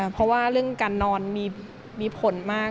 เพราะว่าเรื่องการนอนมีผลมาก